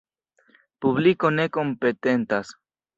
Publiko ne kompetentas.